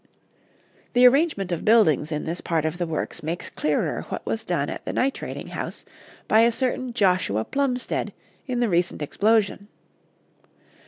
The arrangement of buildings in this part of the works makes clearer what was done at the nitrating house by a certain Joshua Plumstead in the recent explosion.